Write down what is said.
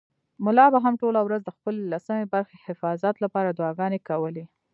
ملا به هم ټوله ورځ د خپلې لسمې برخې حفاظت لپاره دعاګانې کولې.